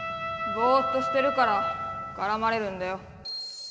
ぼっとしてるからからまれるんだよ。